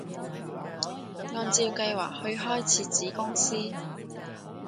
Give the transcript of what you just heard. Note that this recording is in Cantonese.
按照計劃去開設子公司